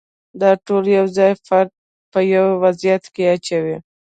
دا ټول یو ځای فرد په یو وضعیت کې اچوي.